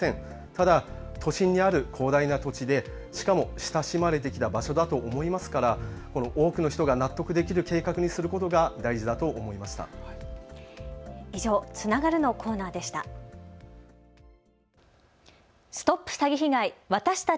ただ都心にある広大な土地で、しかも親しまれてきた場所だと思いますから多くの人が納得できる計画にすることが大事だと思いました。